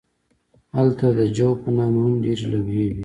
هلته د جو په نوم هم ډیرې لوحې وې